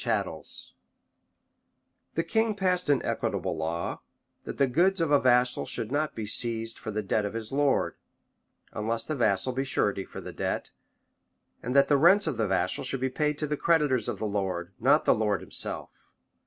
1433] The king passed an equitable law, that the goods of a vassal should not be seized for the debt of his lord, unless the vassal be surety for the debt; and that the rents of vassals should be paid to the creditors of the lord, not to the lord himself.